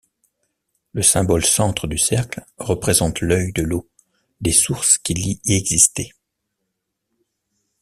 Le symbole centre du cercle représente l'œil de l'eau, des sources qu'il y existaient.